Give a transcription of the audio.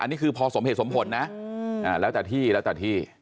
อันนี้คือพอสมเหตุสมผลนะแล้วแต่ที่แล้วแต่ที่